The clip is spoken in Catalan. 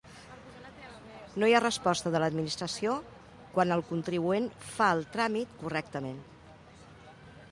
No hi ha resposta de l'Administració quan el contribuent fa el tràmit correctament.